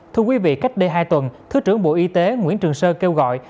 thưa quý vị cách đây hai tuần thứ trưởng bộ y tế nguyễn trường sơn kêu gọi